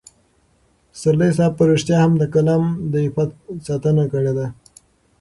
پسرلي صاحب په رښتیا هم د قلم د عفت ساتنه کړې ده.